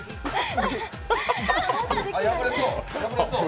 破れそう。